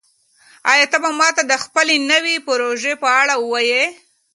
آیا ته به ماته د خپلې نوې پروژې په اړه ووایې؟